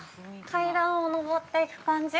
階段を上っていく感じ？